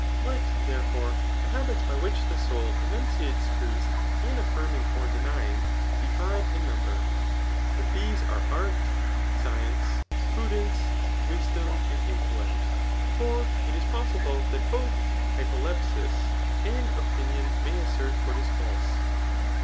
Let, therefore, the habits by which the soul enunciates truth in affirming or denying, be five in number, fiut these are art, science, prudence, wisdom, and intellect; for it is possible that both hypolepsis ' and opinion may assert what is false.